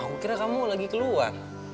aku kira kamu lagi keluar